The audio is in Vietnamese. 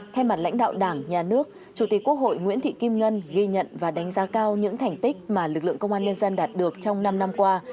thay mặt lãnh đạo đảng nhà nước chủ tịch quốc hội nguyễn thị kim ngân ghi nhận và đánh giá cao những thành tích mà lực lượng công an nhân dân đạt được trong năm năm qua